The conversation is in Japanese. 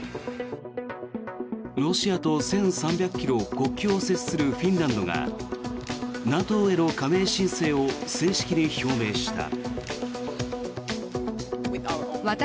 ロシアと１３００ｋｍ国境を接するフィンランドがＮＡＴＯへの加盟申請を正式に表明した。